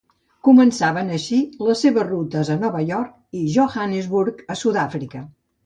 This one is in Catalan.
Començaven així les seves rutes a Nova York i Johannesburg, a Sud-àfrica.